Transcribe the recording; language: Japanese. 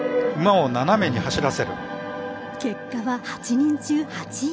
結果は８人中８位。